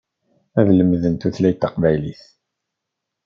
Ad lemden tutlayt taqbaylit.